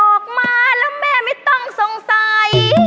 ออกมาแล้วแม่ไม่ต้องสงสัย